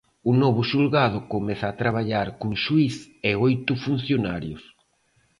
O novo xulgado comeza a traballar cun xuíz e oito funcionarios.